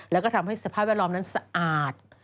แล้วก็ทำให้สภาพแวดล้อมนั้นสะอาด